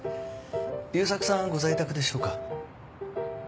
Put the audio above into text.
悠作さんはご在宅でしょうか？